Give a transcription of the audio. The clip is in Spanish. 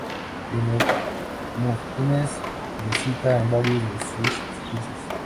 Demóstenes le cita en varios de sus "Discursos".